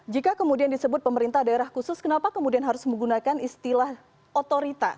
jika kemudian disebut pemerintah daerah khusus kenapa kemudian harus menggunakan istilah otorita